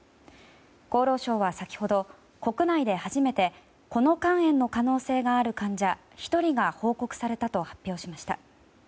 厚労省は先ほど、国内で初めてこの肝炎の可能性がある患者１人が報告されたと発表しました。